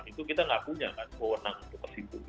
itu kita tidak punya kan mau menang untuk ke situ